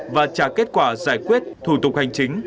và trả kết quả giải quyết thủ tục hành chính